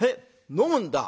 「飲むんだ」。